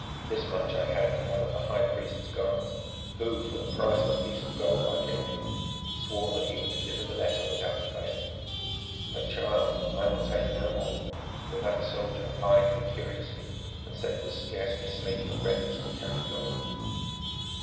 This much I had from one of the high priest's guards, who, for the price of a piece of gold I gave him, swore that he would deliver the letter without fail. But, child, I will take no more, for that soldier eyed me curiously and said it was scarcely safe for beggars to carry gold."